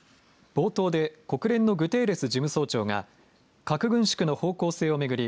冒頭で国連のグテーレス事務総長が核軍縮の方向性を巡り